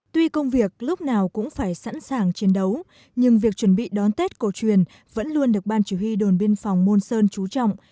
tuy công việc lúc nào cũng phải sẵn sàng chiến đấu nhưng việc chuẩn bị đón tết cổ truyền vẫn luôn được ban chỉ huy đồn biên phòng môn sơn trú trọng